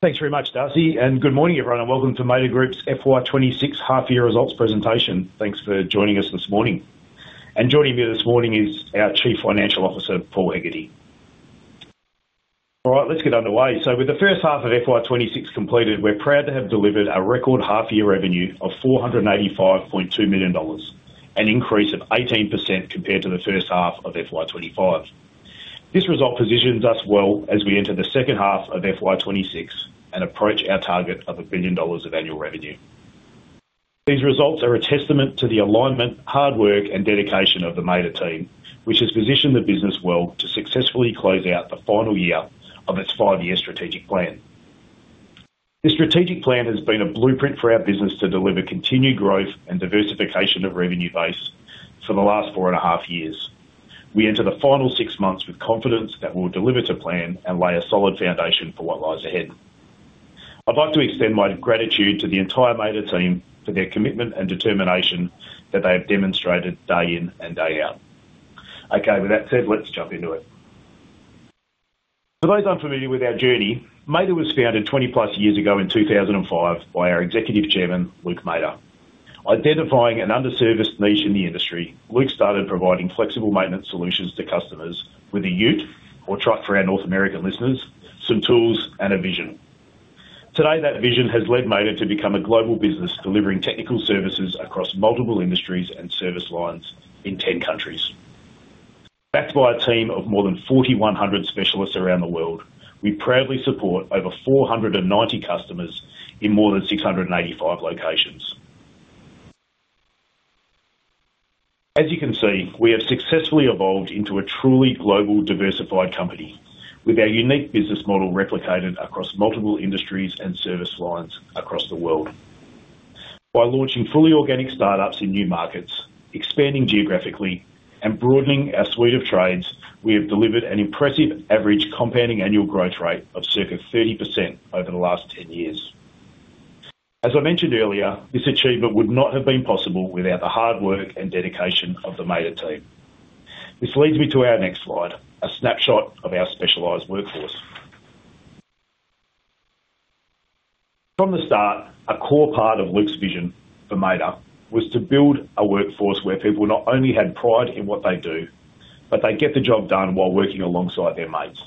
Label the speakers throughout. Speaker 1: Thanks very much, Darcy, good morning, everyone, and welcome to Mader Group's FY 2026 half-year results presentation. Thanks for joining us this morning. Joining me this morning is our Chief Financial Officer, Paul Hegarty. All right, let's get underway. With the first half of FY 2026 completed, we're proud to have delivered a record half-year revenue of 485.2 million dollars, an increase of 18% compared to the first half of FY 2025. This result positions us well as we enter the second half of FY 2026 and approach our target of 1 billion dollars of annual revenue. These results are a testament to the alignment, hard work, and dedication of the Mader team, which has positioned the business well to successfully close out the final year of its five-year strategic plan. The strategic plan has been a blueprint for our business to deliver continued growth and diversification of revenue base for the last 4.5 years. We enter the final six months with confidence that we'll deliver to plan and lay a solid foundation for what lies ahead. I'd like to extend my gratitude to the entire Mader team for their commitment and determination that they have demonstrated day in and day out. Okay, with that said, let's jump into it. For those unfamiliar with our journey, Mader was founded 20+ years ago in 2005 by our Executive Chairman, Luke Mader. Identifying an underserviced niche in the industry, Luke started providing flexible maintenance solutions to customers with a ute, or truck for our North American listeners, some tools, and a vision. Today, that vision has led Mader to become a global business, delivering technical services across multiple industries and service lines in 10 countries. Backed by a team of more than 4,100 specialists around the world, we proudly support over 490 customers in more than 685 locations. As you can see, we have successfully evolved into a truly global, diversified company, with our unique business model replicated across multiple industries and service lines across the world. By launching fully organic startups in new markets, expanding geographically, and broadening our suite of trades, we have delivered an impressive average compounding annual growth rate of circa 30% over the last 10 years. As I mentioned earlier, this achievement would not have been possible without the hard work and dedication of the Mader team. This leads me to our next slide, a snapshot of our specialized workforce. From the start, a core part of Luke's vision for Mader was to build a workforce where people not only had pride in what they do, but they get the job done while working alongside their mates.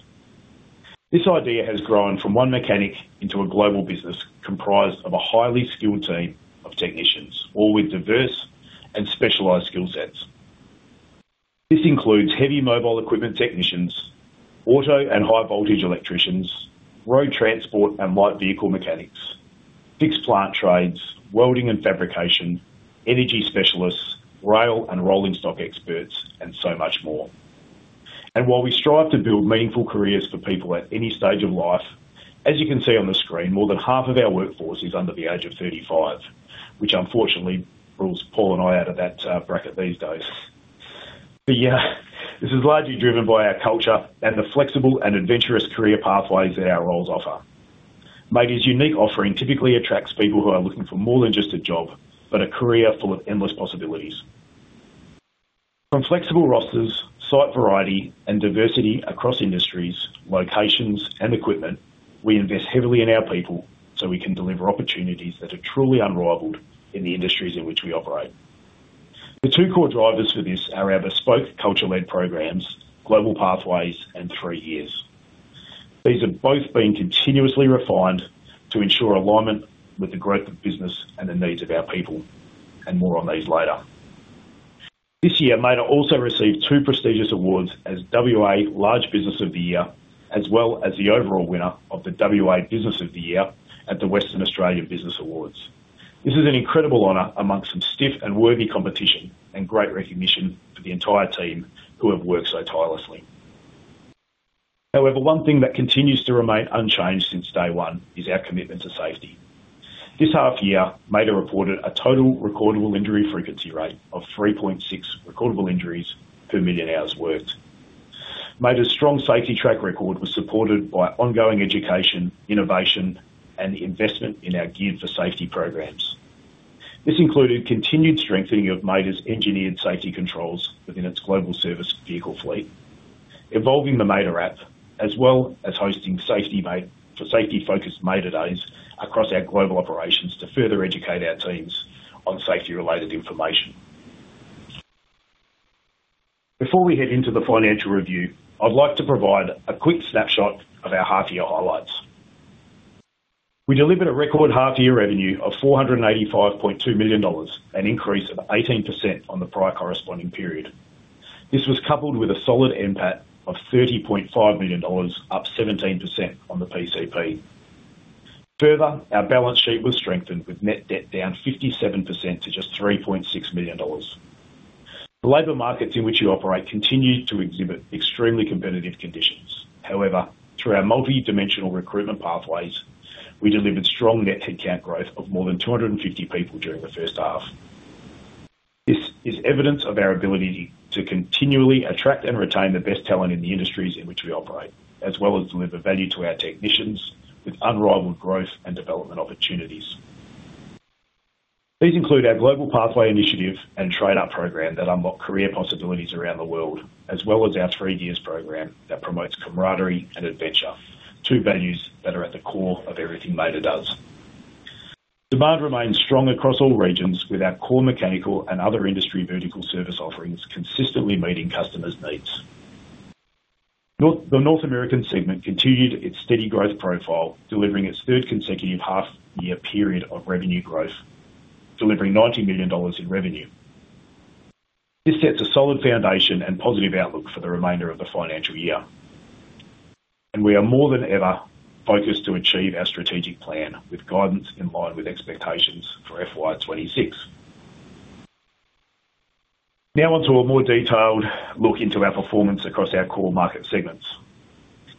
Speaker 1: This idea has grown from one mechanic into a global business comprised of a highly skilled team of technicians, all with diverse and specialized skill sets. This includes heavy mobile equipment technicians, auto and high voltage electricians, road transport and light vehicle mechanics, fixed plant trades, welding and fabrication, energy specialists, rail and rolling stock experts, and so much more. While we strive to build meaningful careers for people at any stage of life, as you can see on the screen, more than half of our workforce is under the age of 35, which unfortunately rules Paul and I out of that bracket these days. Yeah, this is largely driven by our culture and the flexible and adventurous career pathways that our roles offer. Mader's unique offering typically attracts people who are looking for more than just a job, but a career full of endless possibilities. From flexible rosters, site variety, and diversity across industries, locations, and equipment, we invest heavily in our people so we can deliver opportunities that are truly unrivaled in the industries in which we operate. The two core drivers for this are our bespoke culture-led programs, Global Pathways and Three Gears. These have both been continuously refined to ensure alignment with the growth of business and the needs of our people, and more on these later. This year, Mader also received two prestigious awards as WA Large Business of the Year, as well as the overall winner of the WA Business of the Year at the Western Australian Business Awards. This is an incredible honor amongst some stiff and worthy competition, and great recognition for the entire team who have worked so tirelessly. However, one thing that continues to remain unchanged since day one is our commitment to safety. This half year, Mader reported a total recordable injury frequency rate of 3.6 recordable injuries per million hours worked. Mader's strong safety track record was supported by ongoing education, innovation, and investment in our Geared for Safety programs. This included continued strengthening of Mader's engineered safety controls within its global service vehicle fleet, evolving the Mader app, as well as hosting safety-focused Mader Days across our global operations to further educate our teams on safety-related information. Before we head into the financial review, I'd like to provide a quick snapshot of our half year highlights. We delivered a record half year revenue of $485.2 million, an increase of 18% on the prior corresponding period. This was coupled with a solid NPAT of $30.5 million, up 17% on the PCP. Further, our balance sheet was strengthened, with net debt down 57% to just $3.6 million. The labor markets in which we operate continue to exhibit extremely competitive conditions. However, through our multidimensional recruitment pathways, we delivered strong net head count growth of more than 250 people during the first half. This is evidence of our ability to continually attract and retain the best talent in the industries in which we operate, as well as deliver value to our technicians with unrivaled growth and development opportunities. These include our Global Pathway Initiative and Trade Upgrade program that unlock career possibilities around the world, as well as our Three Gears program that promotes camaraderie and adventure, two values that are at the core of everything Mader does. Demand remains strong across all regions, with our core mechanical and other industry vertical service offerings consistently meeting customers' needs. The North American segment continued its steady growth profile, delivering its third consecutive half year period of revenue growth, delivering 90 million dollars in revenue. This sets a solid foundation and positive outlook for the remainder of the financial year, we are more than ever focused to achieve our strategic plan with guidance in line with expectations for FY 2026. On to a more detailed look into our performance across our core market segments.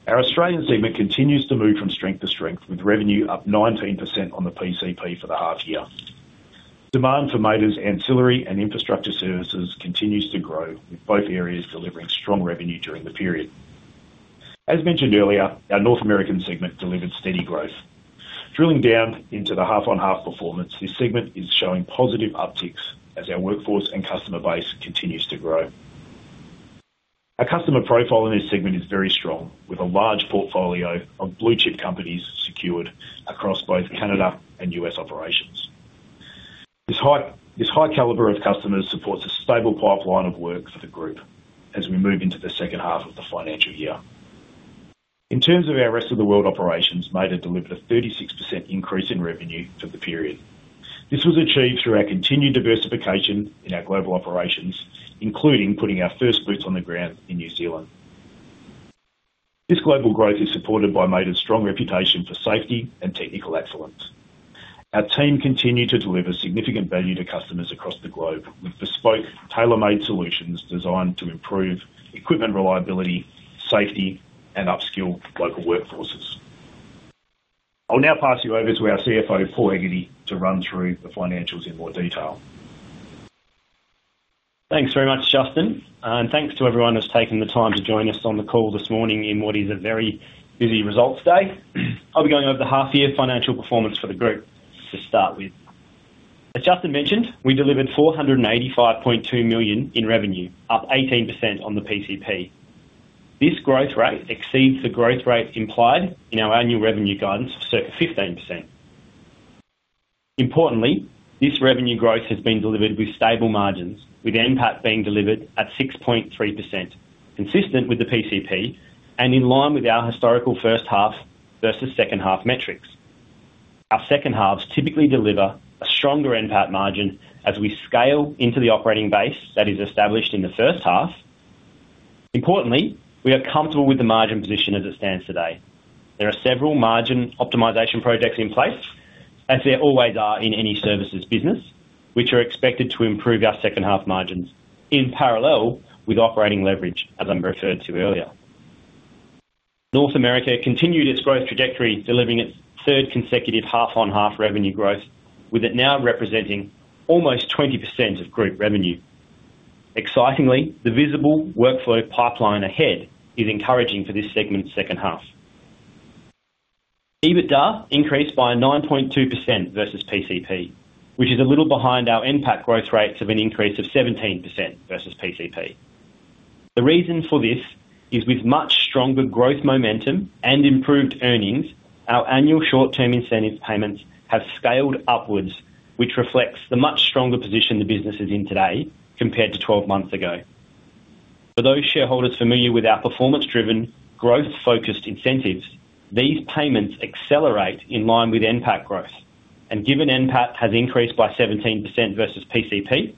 Speaker 1: Our Australian segment continues to move from strength to strength, with revenue up 19% on the PCP for the half year. Demand for Mader's ancillary and infrastructure services continues to grow, with both areas delivering strong revenue during the period. As mentioned earlier, our North American segment delivered steady growth. Drilling down into the half-on-half performance, this segment is showing positive upticks as our workforce and customer base continues to grow. Our customer profile in this segment is very strong, with a large portfolio of blue chip companies secured across both Canada and U.S. operations. This high caliber of customers supports a stable pipeline of work for the group as we move into the second half of the financial year. In terms of our rest of the world operations, Mader delivered a 36% increase in revenue for the period. This was achieved through our continued diversification in our global operations, including putting our first boots on the ground in New Zealand. This global growth is supported by Mader's strong reputation for safety and technical excellence. Our team continued to deliver significant value to customers across the globe, with bespoke tailormade solutions designed to improve equipment reliability, safety and upskill local workforces. I'll now pass you over to our CFO, Paul Hegarty, to run through the financials in more detail.
Speaker 2: Thanks very much, Justin. Thanks to everyone who's taking the time to join us on the call this morning in what is a very busy results day. I'll be going over the half year financial performance for the group to start with. As Justin mentioned, we delivered 485.2 million in revenue, up 18% on the PCP. This growth rate exceeds the growth rate implied in our annual revenue guidance of circa 15%. Importantly, this revenue growth has been delivered with stable margins, with NPAT being delivered at 6.3%, consistent with the PCP and in line with our historical first half versus second half metrics. Our second halves typically deliver a stronger NPAT margin as we scale into the operating base that is established in the first half. Importantly, we are comfortable with the margin position as it stands today. There are several margin optimization projects in place, as there always are in any services business, which are expected to improve our second half margins in parallel with operating leverage, as I referred to earlier. North America continued its growth trajectory, delivering its third consecutive half-on-half revenue growth, with it now representing almost 20% of group revenue. Excitingly, the visible workflow pipeline ahead is encouraging for this segment's second half. EBITDA increased by 9.2% versus PCP, which is a little behind our NPAT growth rates of an increase of 17% versus PCP. The reason for this is with much stronger growth, momentum, and improved earnings, our annual short-term incentive payments have scaled upwards, which reflects the much stronger position the business is in today compared to 12 months ago. For those shareholders familiar with our performance-driven, growth-focused incentives, these payments accelerate in line with NPAT growth. Given NPAT has increased by 17% versus PCP,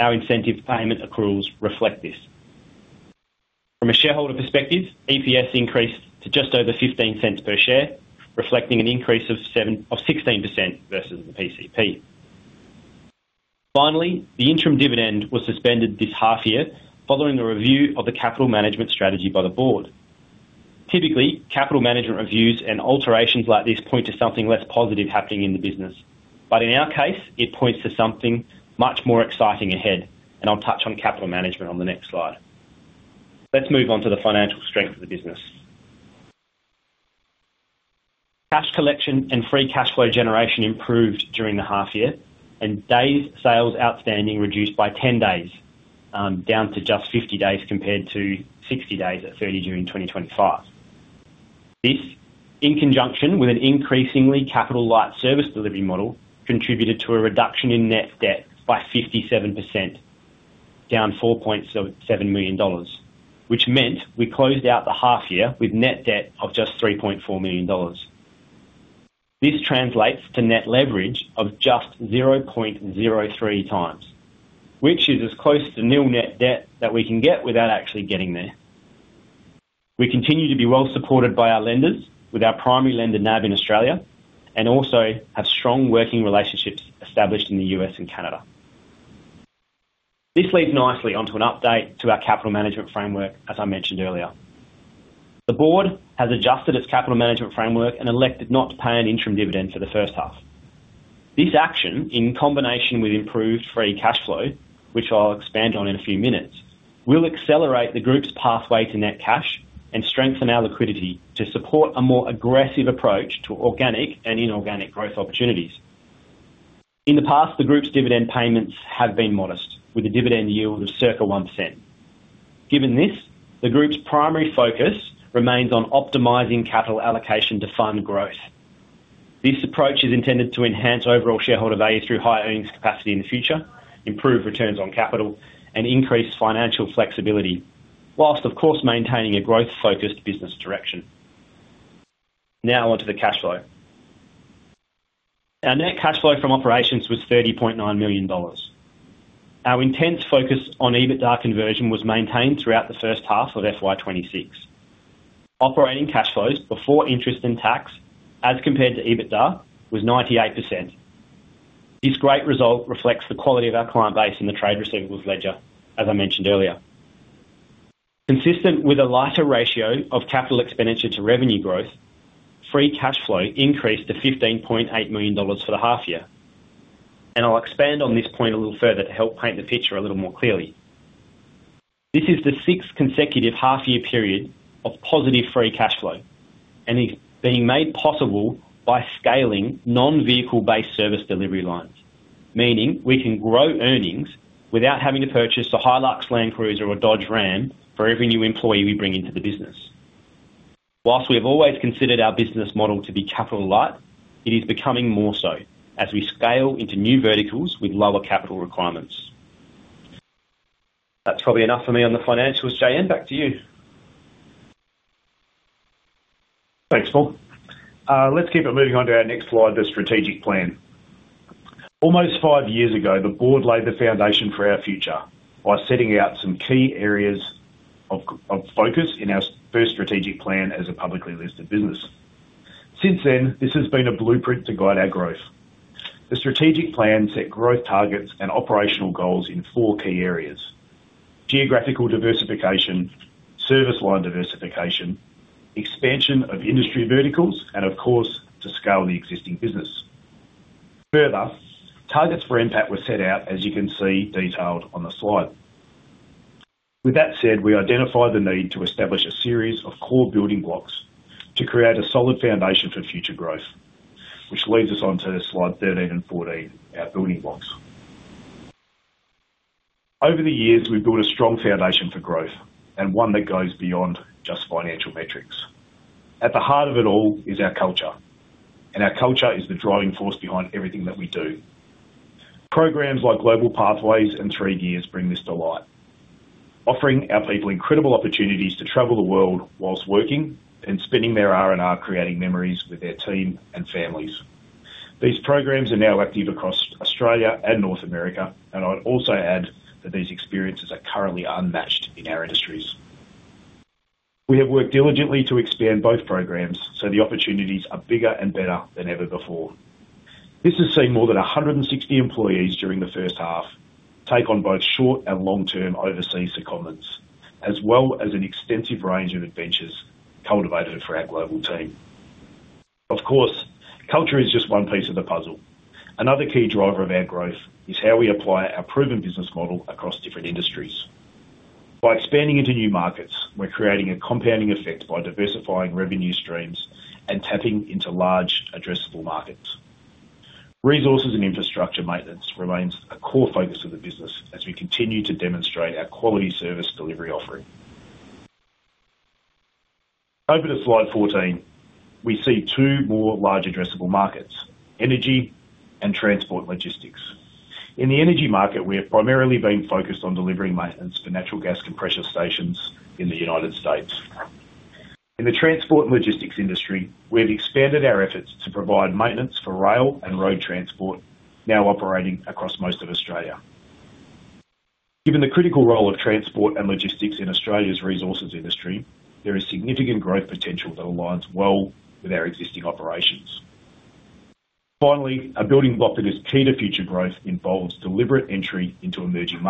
Speaker 2: our incentive payment accruals reflect this. From a shareholder perspective, EPS increased to just over 0.15 per share, reflecting an increase of 16% versus the PCP. Finally, the interim dividend was suspended this half year following the review of the capital management strategy by the board. Typically, capital management reviews and alterations like this point to something less positive happening in the business. In our case, it points to something much more exciting ahead. I'll touch on capital management on the next slide. Let's move on to the financial strength of the business. Cash collection and free cash flow generation improved during the half year, and days sales outstanding reduced by 10 days, down to just 50 days, compared to 60 days at 30 during 2025. This, in conjunction with an increasingly capital light service delivery model, contributed to a reduction in net debt by 57%, down 4.7 million dollars, which meant we closed out the half year with net debt of just 3.4 million dollars. This translates to net leverage of just 0.03x, which is as close to nil net debt that we can get without actually getting there. We continue to be well supported by our lenders, with our primary lender, NAB in Australia, and also have strong working relationships established in the U.S. and Canada. This leads nicely onto an update to our capital management framework as I mentioned earlier. The board has adjusted its capital management framework and elected not to pay an interim dividend for the first half. This action, in combination with improved free cash flow, which I'll expand on in a few minutes. We'll accelerate the group's pathway to net cash and strengthen our liquidity to support a more aggressive approach to organic and inorganic growth opportunities. In the past, the group's dividend payments have been modest, with a dividend yield of circa 0.01. Given this, the group's primary focus remains on optimizing capital allocation to fund growth. This approach is intended to enhance overall shareholder value through high earnings capacity in the future, improve returns on capital, and increase financial flexibility, whilst of course, maintaining a growth-focused business direction. Now, on to the cash flow. Our net cash flow from operations was 30.9 million dollars. Our intense focus on EBITDA conversion was maintained throughout the first half of FY 2026. Operating cash flows before interest and tax, as compared to EBITDA, was 98%. This great result reflects the quality of our client base in the trade receivables ledger, as I mentioned earlier. Consistent with a lighter ratio of capital expenditure to revenue growth, free cash flow increased to 15.8 million dollars for the half year, and I'll expand on this point a little further to help paint the picture a little more clearly. This is the sixth consecutive half year period of positive free cash flow, and is being made possible by scaling non-vehicle-based service delivery lines, meaning we can grow earnings without having to purchase a Hilux, Land Cruiser, or Dodge Ram for every new employee we bring into the business. Whilst we have always considered our business model to be capital light, it is becoming more so as we scale into new verticals with lower capital requirements. That's probably enough for me on the financials. Justin, back to you.
Speaker 1: Thanks, Paul. Let's keep it moving on to our next slide, the strategic plan. Almost five years ago, the board laid the foundation for our future by setting out some key areas of focus in our first strategic plan as a publicly listed business. Since then, this has been a blueprint to guide our growth. The strategic plan set growth targets and operational goals in four key areas: geographical diversification, service line diversification, expansion of industry verticals, and of course, to scale the existing business. Further, targets for impact were set out, as you can see, detailed on the slide. With that said, we identified the need to establish a series of core building blocks to create a solid foundation for future growth. Which leads us on to slide 13 and 14, our building blocks. Over the years, we've built a strong foundation for growth, and one that goes beyond just financial metrics. At the heart of it all is our culture, and our culture is the driving force behind everything that we do. Programs like Global Pathways and Three Gears bring this to light, offering our people incredible opportunities to travel the world whilst working and spending their R&R, creating memories with their team and families. These programs are now active across Australia and North America, and I'd also add that these experiences are currently unmatched in our industries. We have worked diligently to expand both programs so the opportunities are bigger and better than ever before. This has seen more than 160 employees during the first half, take on both short and long-term overseas secondments, as well as an extensive range of adventures cultivated for our global team. Of course, culture is just one piece of the puzzle. Another key driver of our growth is how we apply our proven business model across different industries. By expanding into new markets, we're creating a compounding effect by diversifying revenue streams and tapping into large addressable markets. Resources and infrastructure maintenance remains a core focus of the business as we continue to demonstrate our quality service delivery offering. Over to slide 14. We see two more large addressable markets: energy and transport logistics. In the energy market, we have primarily been focused on delivering maintenance for natural gas compression stations in the United States. In the transport and logistics industry, we've expanded our efforts to provide maintenance for rail and road transport, now operating across most of Australia. Given the critical role of transport and logistics in Australia's resources industry, there is significant growth potential that aligns well with our existing operations. Finally, a building block that is key to future growth involves deliberate entry into emerging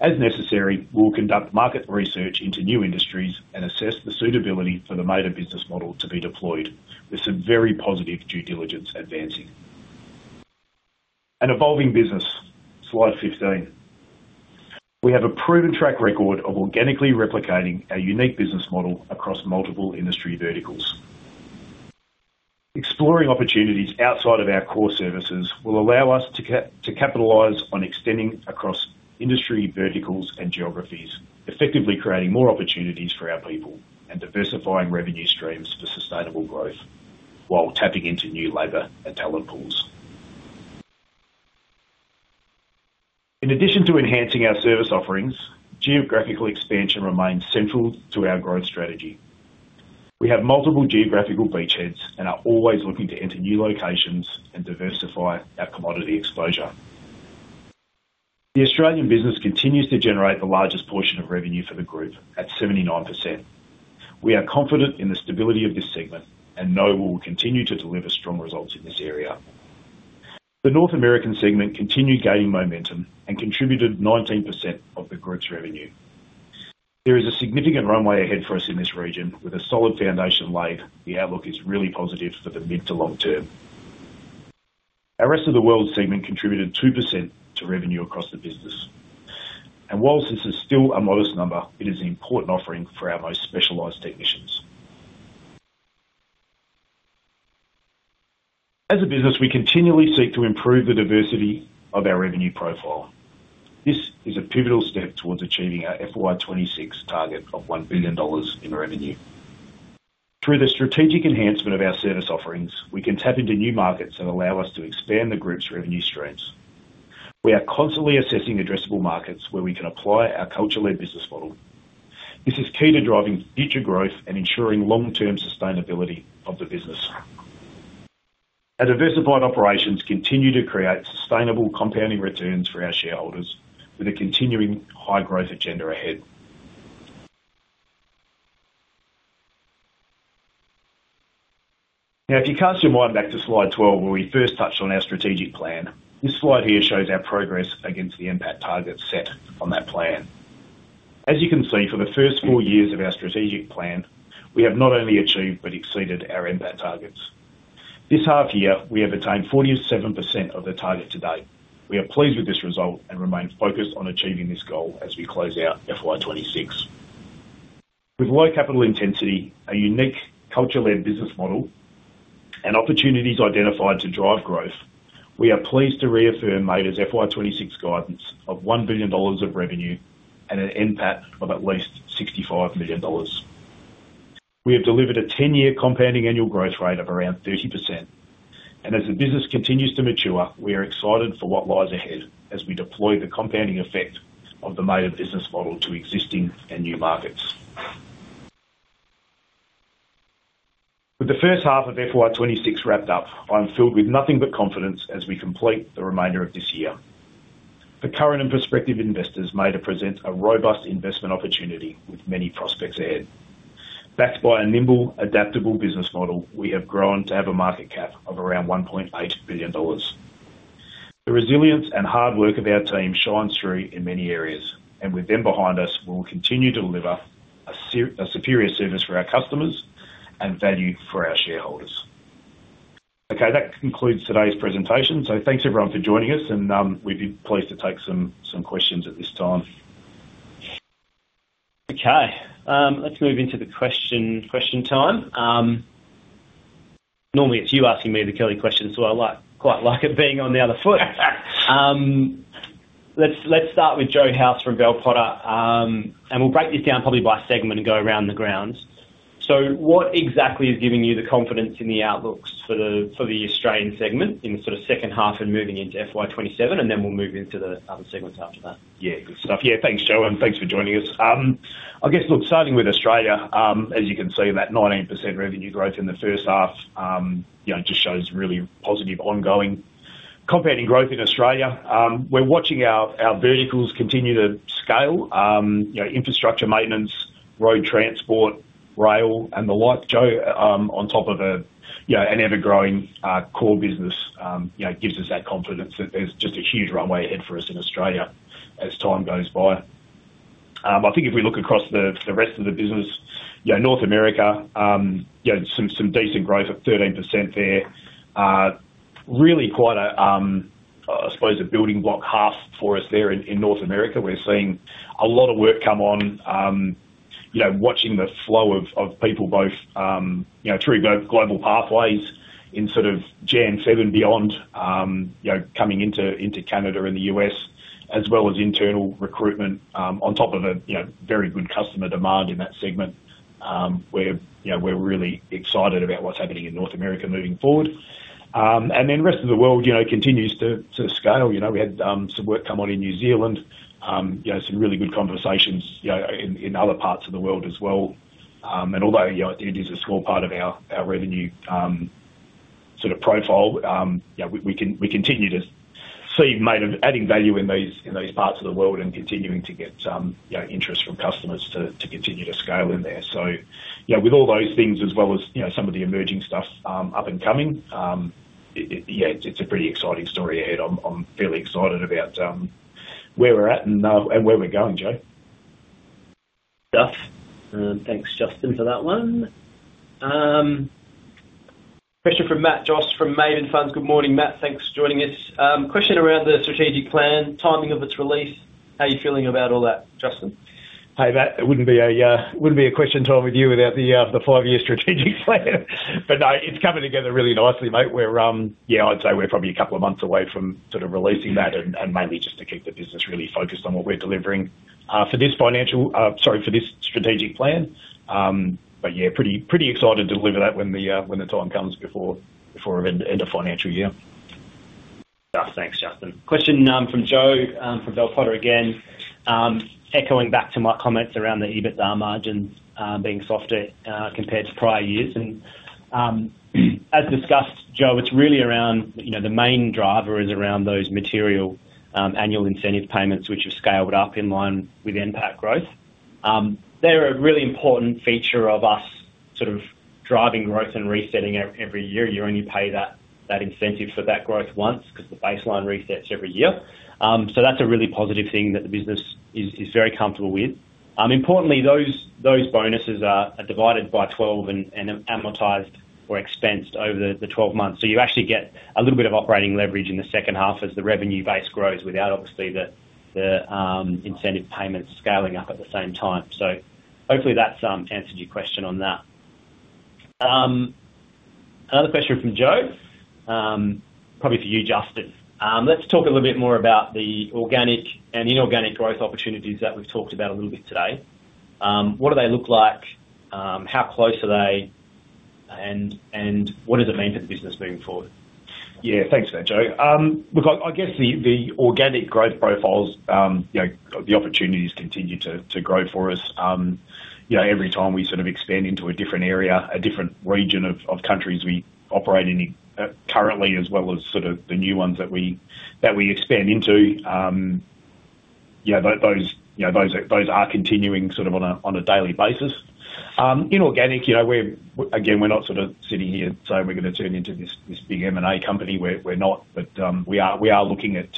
Speaker 1: markets. As necessary, we'll conduct market research into new industries and assess the suitability for the Mader business model to be deployed, with some very positive due diligence advancing. An evolving business, slide 15. We have a proven track record of organically replicating our unique business model across multiple industry verticals. Exploring opportunities outside of our core services will allow us to capitalize on extending across industry verticals and geographies, effectively creating more opportunities for our people and diversifying revenue streams for sustainable growth, while tapping into new labor and talent pools. In addition to enhancing our service offerings, geographical expansion remains central to our growth strategy. We have multiple geographical beachheads and are always looking to enter new locations and diversify our commodity exposure. The Australian business continues to generate the largest portion of revenue for the group at 79%. We are confident in the stability of this segment and know we will continue to deliver strong results in this area. The North American segment continued gaining momentum and contributed 19% of the group's revenue. There is a significant runway ahead for us in this region. With a solid foundation laid, the outlook is really positive for the mid to long term. Our rest of the world segment contributed 2% to revenue across the business. Whilst this is still a modest number, it is an important offering for our most specialized technicians. As a business, we continually seek to improve the diversity of our revenue profile. This is a pivotal step towards achieving our FY 2026 target of 1 billion dollars in revenue. Through the strategic enhancement of our service offerings, we can tap into new markets and allow us to expand the group's revenue streams. We are constantly assessing addressable markets where we can apply our culture-led business model. This is key to driving future growth and ensuring long-term sustainability of the business. Our diversified operations continue to create sustainable compounding returns for our shareholders, with a continuing high growth agenda ahead. Now, if you cast your mind back to slide 12, where we first touched on our strategic plan, this slide here shows our progress against the NPAT target set on that plan. As you can see, for the first four years of our strategic plan, we have not only achieved but exceeded our NPAT targets. This half year, we have attained 47% of the target to date. We are pleased with this result and remain focused on achieving this goal as we close out FY 2026. With low capital intensity, a unique culture-led business model, and opportunities identified to drive growth, we are pleased to reaffirm Mader's FY 2026 guidance of $1 billion of revenue and an NPAT of at least $65 million. We have delivered a 10-year compounding annual growth rate of around 30%. As the business continues to mature, we are excited for what lies ahead as we deploy the compounding effect of the Mader business model to existing and new markets. With the first half of FY 2026 wrapped up, I'm filled with nothing but confidence as we complete the remainder of this year. For current and prospective investors, Mader presents a robust investment opportunity with many prospects ahead. Backed by a nimble, adaptable business model, we have grown to have a market cap of around 1.8 billion dollars. The resilience and hard work of our team shines through in many areas, and with them behind us, we will continue to deliver a superior service for our customers and value for our shareholders. Okay, that concludes today's presentation. Thanks, everyone, for joining us, and we'd be pleased to take some questions at this time.
Speaker 2: Okay, let's move into the question, question time. Normally it's you asking me the curly questions, so I quite like it being on the other foot. Let's start with Joe House from Bell Potter. We'll break this down probably by segment and go around the grounds. What exactly is giving you the confidence in the outlooks for the Australian segment in the sort of second half and moving into FY 2027, and then we'll move into the other segments after that?
Speaker 1: Good stuff. Thanks, Joe, and thanks for joining us. I guess, look, starting with Australia, as you can see, that 19% revenue growth in the first half, you know, just shows really positive ongoing compounding growth in Australia. We're watching our, our verticals continue to scale, you know, infrastructure maintenance, road transport, rail, and the like, Joe, on top of a, you know, an ever-growing core business, you know, gives us that confidence that there's just a huge runway ahead for us in Australia as time goes by. I think if we look across the, the rest of the business, you know, North America, you know, some, some decent growth of 13% there. Really quite a, I suppose a building block half for us there in, in North America. We're seeing a lot of work come on, you know, watching the flow of, of people both, you know, through Global Pathways in sort of January 7 beyond, you know, coming into, into Canada and the U.S., as well as internal recruitment, on top of a, you know, very good customer demand in that segment. We're, you know, we're really excited about what's happening in North America moving forward. Then the rest of the world, you know, continues to, to scale. You know, we had, some work come on in New Zealand, you know, some really good conversations, you know, in, in other parts of the world as well. Although, you know, it is a small part of our, our revenue, sort of profile, you know, we continue to see Mader adding value in these, in these parts of the world and continuing to get, you know, interest from customers to, to continue to scale in there. You know, with all those things as well as, you know, some of the emerging stuff, up and coming, it's a pretty exciting story ahead. I'm, I'm fairly excited about, where we're at and, and where we're going, Joe.
Speaker 2: Stuff. Thanks, Justin, for that one. Question from Matt Joass from Maven Funds. Good morning, Matt, thanks for joining us. Question around the strategic plan, timing of its release. How are you feeling about all that, Justin?
Speaker 1: Hey, Matt, it wouldn't be a question time with you without the five-year strategic plan. It's coming together really nicely, mate. We're, yeah, I'd say we're probably two months away from sort of releasing that and, and mainly just to keep the business really focused on what we're delivering for this financial, sorry, for this strategic plan. Yeah, pretty, pretty excited to deliver that when the time comes before end of financial year.
Speaker 2: Thanks, Justin. Question, from Joe, from Bell Potter again. Echoing back to my comments around the EBITDA margins, being softer, compared to prior years. As discussed, Joe, it's really around, you know, the main driver is around those material, annual incentive payments, which have scaled up in line with NPAT growth. They're a really important feature of us sort of driving growth and resetting every year. You only pay that, that incentive for that growth once, because the baseline resets every year. That's a really positive thing that the business is, is very comfortable with. Importantly, those, those bonuses are, are divided by twelve and, and amortized or expensed over the, the twelve months. You actually get a little bit of operating leverage in the second half as the revenue base grows without obviously the, the incentive payments scaling up at the same time. Hopefully that's answered your question on that. Another question from Joe, probably for you, Justin. Let's talk a little bit more about the organic and inorganic growth opportunities that we've talked about a little bit today. What do they look like? How close are they? What does it mean to the business moving forward?
Speaker 1: Yeah, thanks for that, Joe. Look, I, I guess the, the organic growth profiles, you know, the opportunities continue to, to grow for us. You know, every time we sort of expand into a different area, a different region of, of countries we operate in, currently, as well as sort of the new ones that we, that we expand into, yeah, th-those, you know, those are, those are continuing sort of on a, on a daily basis. Inorganic, you know, we'ree, again, we're not sort of sitting here, saying we're gonna turn into this, this big M&A company. We're, we're not, but we are, we are looking at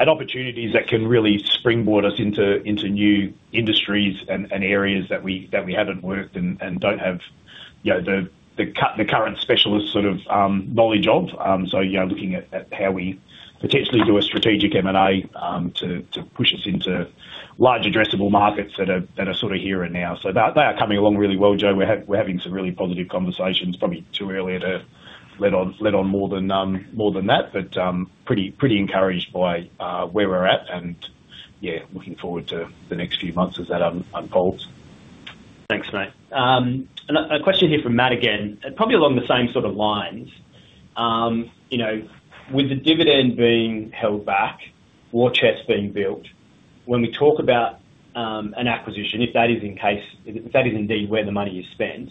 Speaker 1: opportunities that can really springboard us into, into new industries and, and areas that we, that we haven't worked and, and don't have, you know, the current specialist sort of knowledge of. You know, looking at how we potentially do a strategic M&A to, to push us into large addressable markets that are, that are sorta here and now. That, they are coming along really well, Joe. We're having some really positive conversations. Probably too early to let on, let on more than more than that, but pretty, pretty encouraged by where we're at, and, yeah, looking forward to the next few months as that unfolds.
Speaker 2: Thanks, mate. A question here from Matt again, probably along the same sort of lines. You know, with the dividend being held back, war chest being built, when we talk about an acquisition, if that is in case, if that is indeed where the money is spent,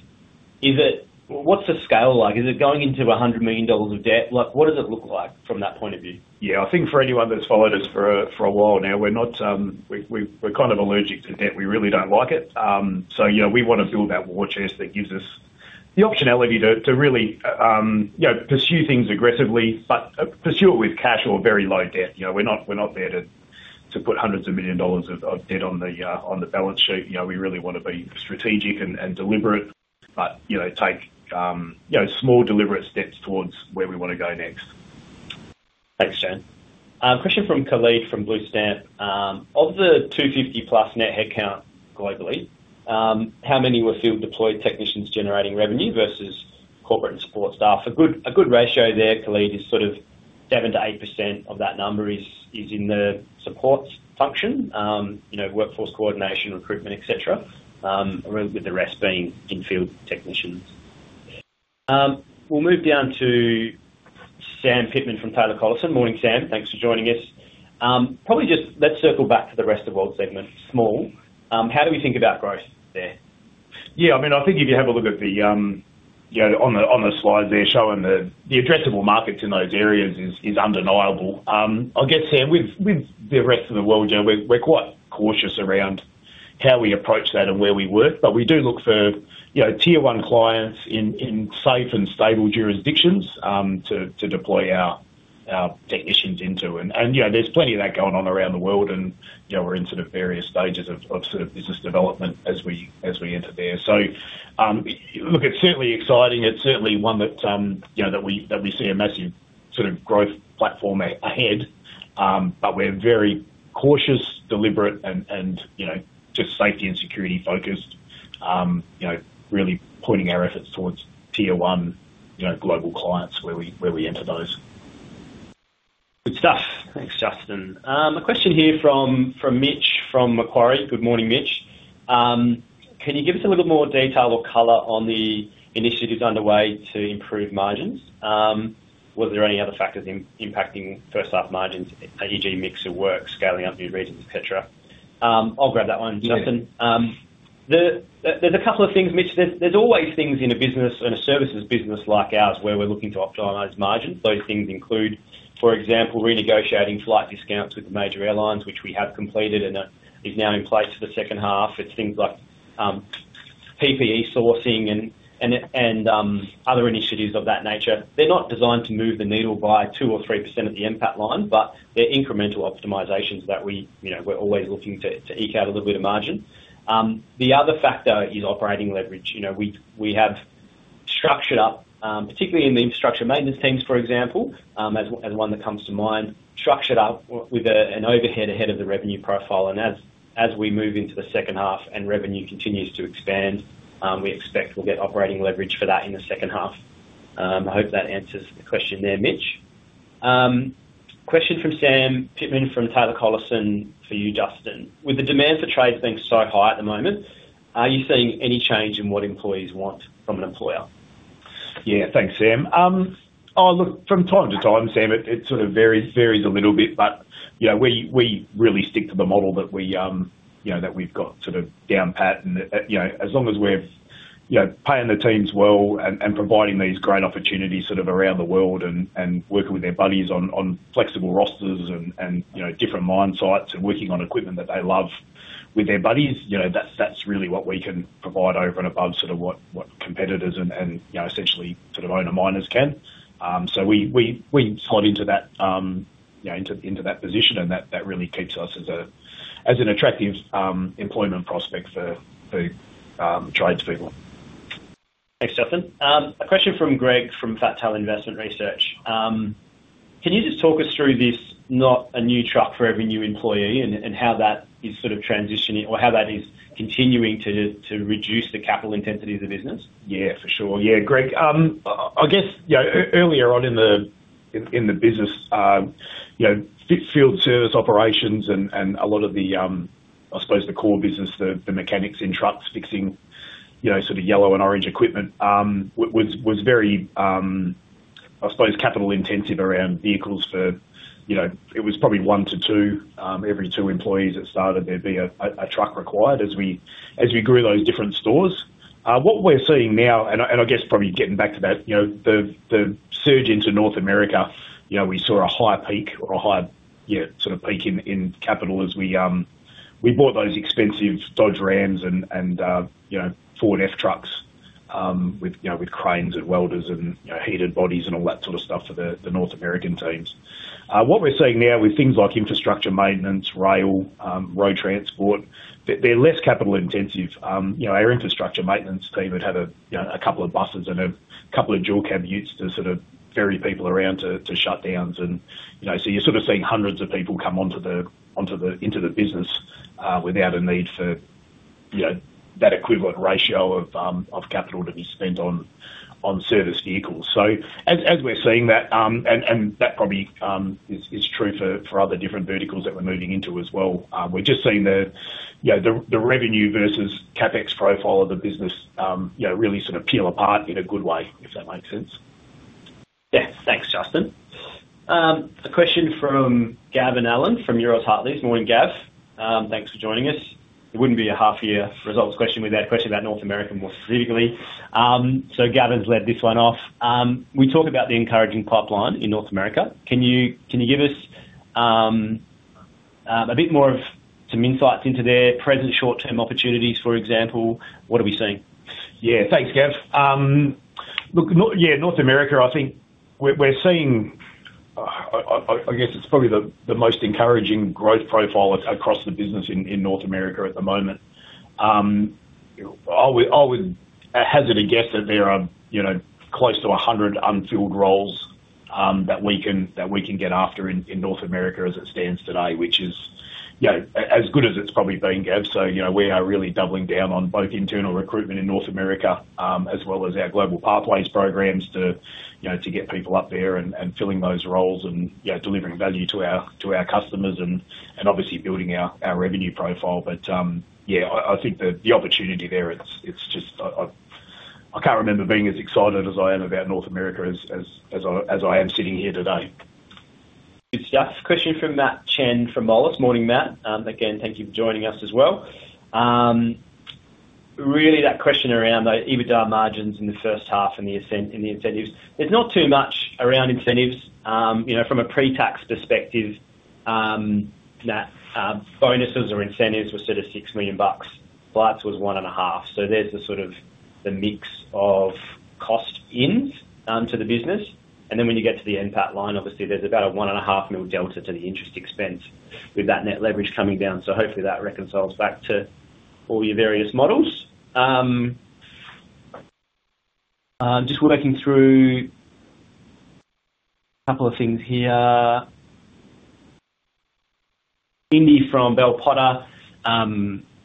Speaker 2: what's the scale like? Is it going into 100 million dollars of debt? What does it look like from that point of view?
Speaker 1: Yeah, I think for anyone that's followed us for a, for a while now, we're not, we, we, we're kind of allergic to debt. We really don't like it. You know, we wanna build that war chest that gives us the optionality to, to really, you know, pursue things aggressively, but pursue it with cash or very low debt. You know, we're not, we're not there to, to put hundreds of million dollars of, of debt on the balance sheet. You know, we really wanna be strategic and, and deliberate, but, you know, take, you know, small, deliberate steps towards where we wanna go next.
Speaker 2: Thanks, Shane. A question from Khalid from Blue Stamp: Of the 250+ net headcount globally, how many were field-deployed technicians generating revenue versus corporate and support staff? A good, a good ratio there, Khalid, is sort of 7%-8% of that number is, is in the support function, you know, workforce coordination, recruitment, et cetera, with the rest being in-field technicians. We'll move down to Sam Pittman from Taylor Collison. Morning, Sam. Thanks for joining us. Probably just let's circle back to the rest of world segment, small. How do we think about growth there?
Speaker 1: Yeah, I mean, I think if you have a look at the, you know, on the, on the slides there, showing the, the addressable markets in those areas is, is undeniable. I guess, Sam, with the rest of the world, you know, we're quite cautious around how we approach that and where we work, but we do look for, you know, Tier 1 clients in safe and stable jurisdictions, to deploy our technicians into. You know, there's plenty of that going on around the world, and, you know, we're in sort of various stages of business development as we enter there. Look, it's certainly exciting. It's certainly one that, you know, that we, that we see a massive sort of growth platform ahead. We're very cautious, deliberate, and, and, you know, just safety and security focused, you know, really pointing our efforts towards Tier 1, you know, global clients where we, where we enter those.
Speaker 2: Good stuff! Thanks, Justin. A question here from, from Mitch, from Macquarie. Good morning, Mitch. Can you give us a little more detail or color on the initiatives underway to improve margins? Were there any other factors impacting first half margins, eg mix of work, scaling up new regions, et cetera? I'll grab that one, Justin.
Speaker 1: Yeah.
Speaker 2: The, there, there's a couple of things, Mitch. There, there's always things in a business, in a services business like ours, where we're looking to optimize margins. Those things include, for example, renegotiating flight discounts with the major airlines, which we have completed, and that is now in place for the second half. It's things like PPE sourcing and other initiatives of that nature. They're not designed to move the needle by 2% or 3% of the NPAT line, but they're incremental optimizations that we, you know, we're always looking to, to eke out a little bit of margin. The other factor is operating leverage. You know, we, we have structured up, particularly in the infrastructure maintenance teams, for example, as, as one that comes to mind, structured up with an overhead ahead of the revenue profile. As we move into the second half and revenue continues to expand, we expect we'll get operating leverage for that in the second half. I hope that answers the question there, Mitch. Question from Sam Pittman from Taylor Collison for you, Justin: With the demand for trades being so high at the moment, are you seeing any change in what employees want from an employer?
Speaker 1: Yeah. Thanks, Sam. Oh, look, from time to time, Sam, it, it sort of varies, varies a little bit, but, you know, we, we really stick to the model that we, you know, that we've got sort of down pat. As long as we're paying the teams well and, and providing these great opportunities sort of around the world and, and working with their buddies on, on flexible rosters and, and, you know, different mine sites and working on equipment that they love with their buddies, you know, that's, that's really what we can provide over and above sort of what, what competitors and, and, you know, essentially sort of owner miners can. We, we, we slot into that, you know, into, into that position, and that, that really keeps us as a, as an attractive, employment prospect for, for, tradespeople.
Speaker 2: Thanks, Justin. A question from Greg from Fat Tail Investment Research. Can you just talk us through this, not a new truck for every new employee and how that is sort of transitioning or how that is continuing to reduce the capital intensity of the business?
Speaker 1: Yeah, for sure. Yeah, Greg, I, I guess, you know, earlier on in the, in, in the business, you know, fit field service operations and, and a lot of the, I suppose the core business, the, the mechanics in trucks fixing, you know, sort of yellow and orange equipment, was, was very, I suppose, capital intensive around vehicles for, you know, it was probably one to two. Every two employees that started, there'd be a, a, a truck required as we, as we grew those different stores. What we're seeing now, and I, and I guess probably getting back to that, you know, the, the surge into North America, you know, we saw a high peak or a high, yeah, sort of peak in, in capital as we bought those expensive Dodge Rams and, and, you know, Ford F trucks, with, you know, with cranes and welders and, you know, heated bodies and all that sort of stuff for the, the North American teams. What we're seeing now with things like infrastructure maintenance, rail, road transport, they're, they're less capital intensive. You know, our infrastructure maintenance team would have a, you know, a couple of buses and a couple of dual cab utes to sort of ferry people around to, to shutdowns and, you know, so you're sort of seeing hundreds of people come onto the, onto the, into the business, without a need for, you know, that equivalent ratio of, of capital to be spent on, on service vehicles. As, as we're seeing that, and, and that probably, is, is true for, for other different verticals that we're moving into as well. We're just seeing the, you know, the, the revenue versus CapEx profile of the business, you know, really sort of peel apart in a good way, if that makes sense.
Speaker 2: Yeah. Thanks, Justin. A question from Gavin Allen, from Euroz Hartleys. Morning, Gav. Thanks for joining us. It wouldn't be a half year results question without a question about North America, more specifically. Gavin's led this one off. We talked about the encouraging pipeline in North America. Can you, can you give us a bit more of some insights into their present short-term opportunities, for example? What are we seeing?
Speaker 1: Yeah, thanks, Gav. look, yeah, North America, I think we're, we're seeing, I, I, I guess it's probably the, the most encouraging growth profile across the business in North America at the moment. I would, I would hazard a guess that there are, you know, close to 100 unfilled roles that we can, that we can get after in North America as it stands today, which is, you know, as good as it's probably been, Gav. you know, we are really doubling down on both internal recruitment in North America, as well as our Global Pathways programs to, you know, to get people up there and, and filling those roles and, you know, delivering value to our, to our customers and, and obviously building our, our revenue profile. Yeah, I, I think the, the opportunity there, it's, it's just, I, I, I can't remember being as excited as I am about North America as, as, as I, as I am sitting here today.
Speaker 2: Good stuff! Question from Matt Chen from Moelis. Morning, Matt. Again, thank you for joining us as well. Really, that question around the EBITDA margins in the first half and the incentives. There's not too much around incentives. You know, from a pre-tax perspective, Matt, bonuses or incentives were sort of 6 million bucks. Flights was 1.5 million. There's the sort of the mix of cost-ins to the business. Then when you get to the NPAT line, obviously there's about a 1.5 million delta to the interest expense with that net leverage coming down. Hopefully that reconciles back to all your various models. Just working through a couple of things here. Indy from Bell Potter,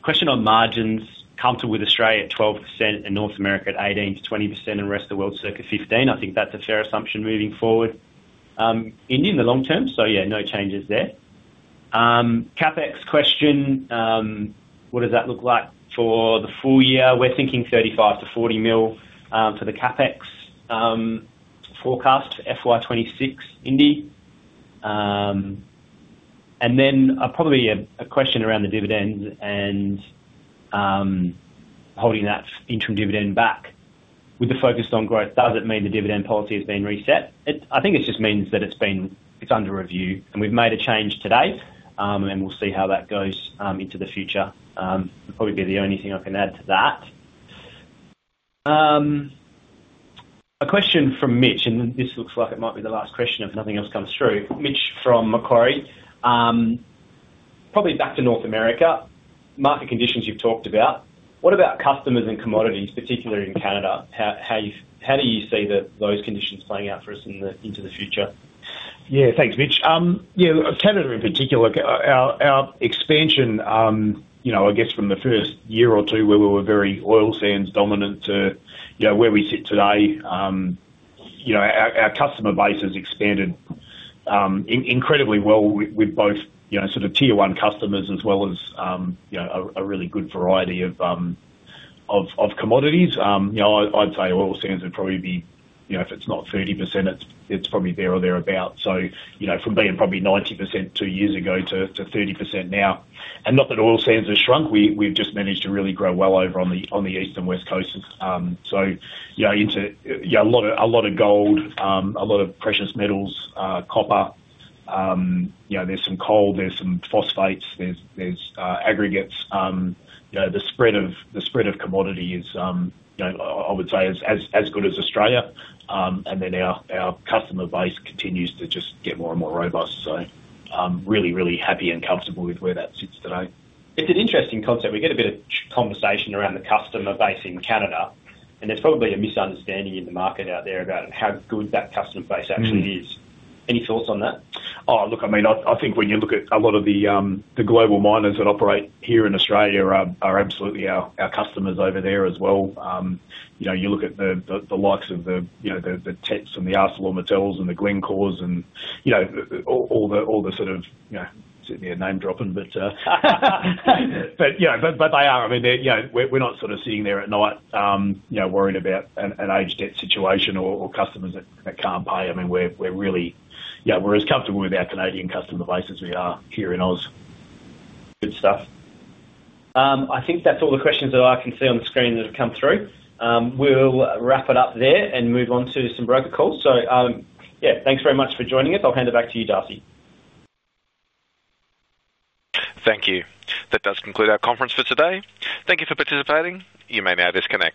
Speaker 2: question on margins, comfortable with Australia at 12% and North America at 18%-20%, and rest of the world, circa 15%. I think that's a fair assumption moving forward, Indy, in the long term. So yeah, no changes there. CapEx question, what does that look like for the full year? We're thinking 35 million-40 million for the CapEx forecast for FY 2026, Indy. Probably a question around the dividends and holding that interim dividend back. With the focus on growth, does it mean the dividend policy has been reset? I think it just means that it's been it's under review, and we've made a change today, and we'll see how that goes into the future. Probably be the only thing I can add to that. A question from Mitch. This looks like it might be the last question if nothing else comes through. Mitch from Macquarie, probably back to North America, market conditions you've talked about, what about customers and commodities, particularly in Canada? How, how you, how do you see those conditions playing out for us in the, into the future?
Speaker 1: Yeah. Thanks, Mitch. Yeah, Canada in particular, our, our expansion, you know, I guess from the first year or two, where we were very oil sands dominant to, you know, where we sit today, you know, our, our customer base has expanded incredibly well with, with both, you know, sort of Tier 1 customers as well as, you know, a, a really good variety of, of, of commodities. You know, I, I'd say oil sands would probably be, you know, if it's not 30%, it's, it's probably there or thereabout. You know, from being probably 90% two years ago to, to 30% now, and not that oil sands have shrunk, we, we've just managed to really grow well over on the, on the east and west coast. Into, a lot of, a lot of gold, a lot of precious metals, copper. You know, there's some coal, there's some phosphates, there's, there's, aggregates. You know, the spread of, the spread of commodity is, you know, I, I would say is as, as good as Australia. Our, our customer base continues to just get more and more robust. I'm really, really happy and comfortable with where that sits today.
Speaker 2: It's an interesting concept. We get a bit of conversation around the customer base in Canada, and there's probably a misunderstanding in the market out there about how good that customer base actually is.
Speaker 1: Mm.
Speaker 2: Any thoughts on that?
Speaker 1: Oh, look, I mean, I, I think when you look at a lot of the, the global miners that operate here in Australia are, are absolutely our, our customers over there as well. You know, you look at the, the, the likes of the, you know, the, the Jets and the ArcelorMittal and the Glencore and, you know, all the, all the sort of, you know, sitting here name-dropping, but, but, yeah, but, but they are. I mean, they're, you know, we're, we're not sort of sitting there at night, you know, worrying about an, an aged debt situation or, or customers that, that can't pay. I mean, we're, we're really, yeah, we're as comfortable with our Canadian customer base as we are here in Oz.
Speaker 2: Good stuff. I think that's all the questions that I can see on the screen that have come through. We'll wrap it up there and move on to some broker calls. Yeah, thanks very much for joining us. I'll hand it back to you, Darcy.
Speaker 3: Thank you. That does conclude our conference for today. Thank you for participating. You may now disconnect.